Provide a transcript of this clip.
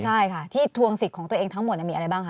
ใช่ค่ะที่ทวงสิทธิ์ของตัวเองทั้งหมดมีอะไรบ้างคะ